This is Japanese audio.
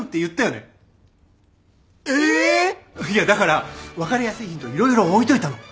いやだから分かりやすいヒント色々置いといたの。